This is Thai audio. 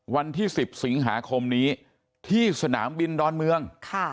วันที่๑๐สิงหาคมนี้ที่สนามบินดอนเมือง